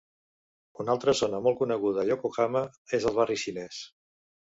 Una altra zona molt coneguda a Yokohama és el barri xinès.